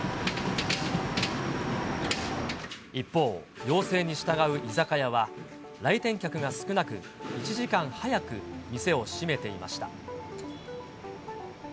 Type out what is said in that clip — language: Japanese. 一方、要請に従う居酒屋は、来店客が少なく、１時間早く店を閉めていました。